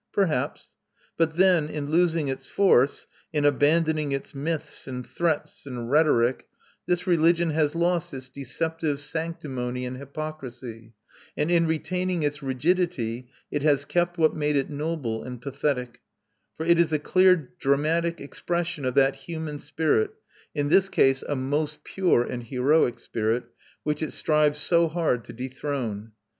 Perhaps: but then, in losing its force, in abandoning its myths, and threats, and rhetoric, this religion has lost its deceptive sanctimony and hypocrisy; and in retaining its rigidity it has kept what made it noble and pathetic; for it is a clear dramatic expression of that human spirit in this case a most pure and heroic spirit which it strives so hard to dethrone.